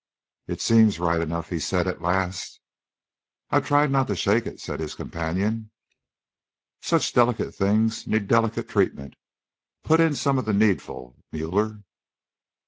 "It seems right enough," he said at last. "I tried not to shake it," said his companion. "Such delicate things need delicate treatment. Put in some of the needful, Müller."